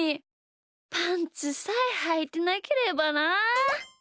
パンツさえはいてなければなあ。